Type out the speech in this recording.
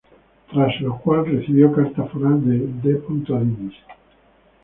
Tras lo cual, recibió carta foral de D. Dinis.